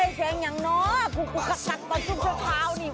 โอ้เฮ้เพลงยังเนาะกูกูกักกักตอนชุดเช้าเช้านี่